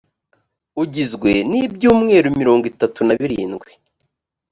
ugizwe n’ibyumweru mirongo itatu na birindwi